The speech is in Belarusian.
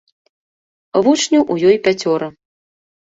Вучняў у ёй пяцёра.